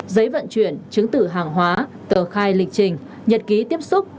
giấy vận chuyển chứng tử hàng hóa tờ khai lịch trình nhật ký tiếp xúc